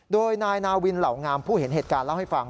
โดยนายนาวินเหล่างามผู้เห็นเหตุการณ์เล่าให้ฟัง